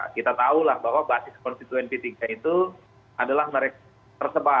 kita tahulah bahwa basis konstituen p tiga itu adalah mereka tersebar